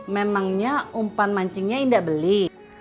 memangnya umpan mancingnya indah beli